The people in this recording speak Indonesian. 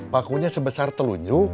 pakunya sebesar telunjuk